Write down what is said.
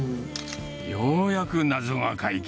ようやく謎が解決。